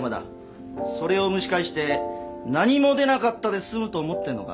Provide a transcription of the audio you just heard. それを蒸し返して何も出なかったで済むと思ってんのか？